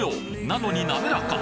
なのになめらか！